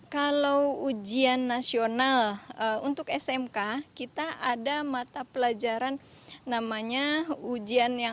kalau ujian nasional untuk smk kita ada mata pelajaran namanya ujian yang